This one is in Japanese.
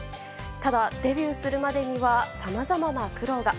ただ、デビューするまでにはさまざまな苦労が。